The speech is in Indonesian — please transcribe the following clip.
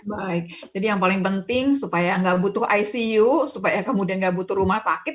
baik jadi yang paling penting supaya nggak butuh icu supaya kemudian nggak butuh rumah sakit